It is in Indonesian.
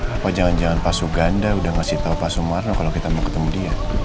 apa jangan jangan pak suganda udah ngasih tau pak sumarno kalau kita mau ketemu dia